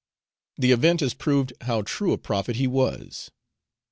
The event has proved how true a prophet he was.